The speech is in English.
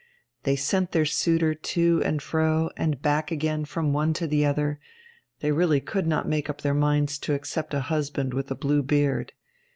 They sent their suitor to and fro, and back again from one to the other: they really could not make up their minds to accept a husband with a blue beard.